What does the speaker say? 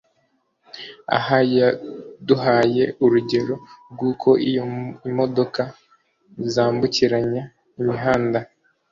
Aha yaduhaye urugero rw’uko iyo imodoka zambukiranya imihanda